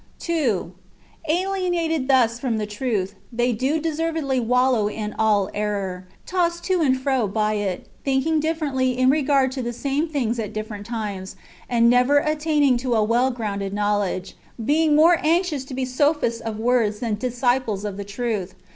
2. Alienated thus from the truth, they do deservedly wallow in all error, tossed to and fro by it, thinking differ ently with regard to the same things at different times, and never attainini^ to a well o^rounded knowledo[e, beins^ more anxious to be sophists of words than disciples of the truth.